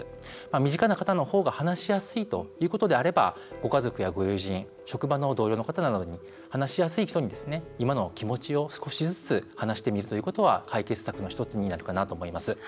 身近な方のほうが話しやすいということであればご家族やご友人職場の同僚など話しやすい人に今の気持ちを少しずつ話してみるということは解決策の１つになるかなと思います。